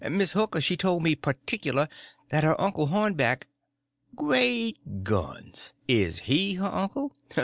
Miss Hooker she tole me, particular, that her uncle Hornback—" "Great guns! is he her uncle?